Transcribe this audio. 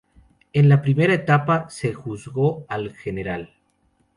En la primera etapa se juzgó al Gral.